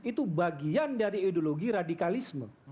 itu bagian dari ideologi radikalisme